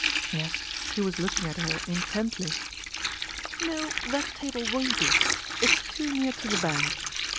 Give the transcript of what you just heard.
Yes, he was looking at her intently " No, that table won't do ! It is too near to the band."